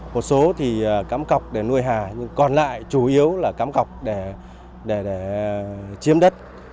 một số cắm cọc để nuôi hà còn lại chủ yếu là cắm cọc để chiếm đất